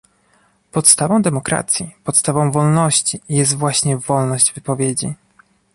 Podstawą demokracji, podstawą wolności, jest właśnie wolność wypowiedzi